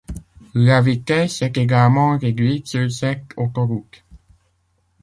La vitesse est également réduite sur cette autoroute.